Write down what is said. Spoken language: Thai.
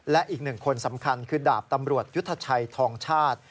และอีกหนึ่งคนสำคัญคือดาบตำรวจยุทธชัยทองชาติ